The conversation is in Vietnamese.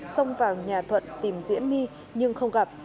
xông vào nhà thuận tìm diễm my nhưng không gặp